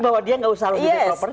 bahwa dia enggak usah fit proper test